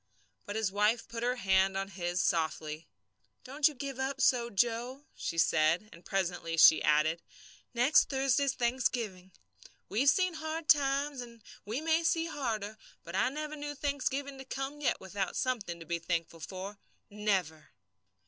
But his wife put her hand on his softly. "Don't you give up so, Joe," she said. And presently she added: "Next Thursday's Thanksgiving. We've seen hard times, and we may see harder, but I never knew Thanksgiving to come yet without something to be thankful for never."